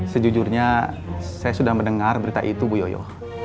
sejujurnya saya sudah mendengar berita itu bu yoyo